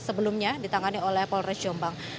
sebelumnya ditangani oleh polres jombang